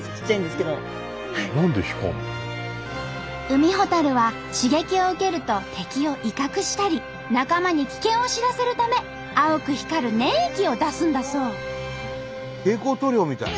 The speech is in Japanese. ウミホタルは刺激を受けると敵を威嚇したり仲間に危険を知らせるため青く光る粘液を出すんだそう。